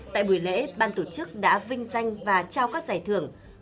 tại buổi lễ ban tổ chức đã vinh danh và trao các giải thưởng